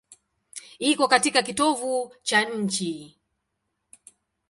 Iko katika kitovu cha nchi.